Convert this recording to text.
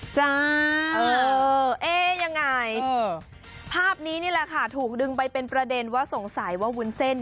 จ้าเอ๊ยังไงภาพนี้นี่แหละค่ะถูกดึงไปเป็นประเด็นว่าสงสัยว่าวุ้นเส้น